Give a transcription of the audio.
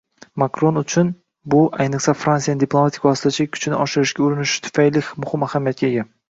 Makron uchun bu, ayniqsa, Fransiyaning diplomatik vositachilik kuchini oshirishga urinishi tufayli muhim ahamiyatga ega